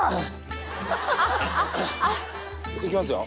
いきますよ。